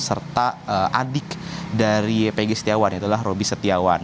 serta adik dari pegi setiawan yaitulah roby setiawan